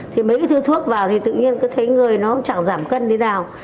thì mấy cái thứ thuốc vào thì tự nhiên cứ thấy người nó chẳng giảm cân đến nào